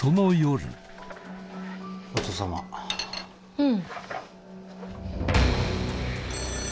うん。